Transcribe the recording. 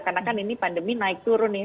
karena kan ini pandemi naik turun nih